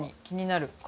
気になる。